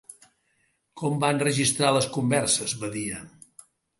Com va enregistrar les converses Badia?